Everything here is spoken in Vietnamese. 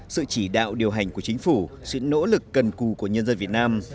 sự chỉ đạo điều hành của chính phủ sự nỗ lực cần cù của nhân dân việt nam